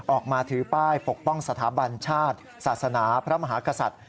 ออกมาถือป้ายปกป้องสถาบันชาติศาสนาพระมหากษัตริย์